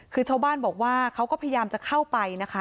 คือชาวบ้านบอกว่าเขาก็พยายามจะเข้าไปนะคะ